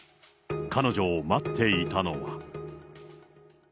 彼女を待っていたのは。